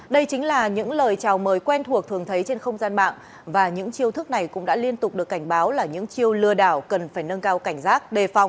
đây chính là những lời chào mời quen thuộc thường thấy trên không gian mạng và những chiêu thức này cũng đã liên tục được cảnh báo là những chiêu lừa đảo cần phải nâng cao cảnh giác đề phòng